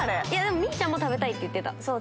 みーちゃんも食べたいって言ってた。